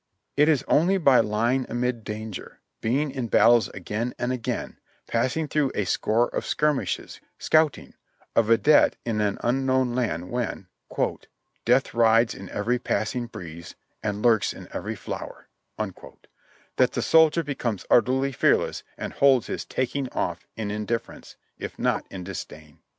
It is only by lying amid danger, being in battles again and again, passing through a score of skirmishes, scouting, — a vidette in an unknown land, when "Death rides in every passing breeze And lurks in every flower," — that the soldier becomes utterly fearless and holds his "taking off" in indift'erence, if not in disdain.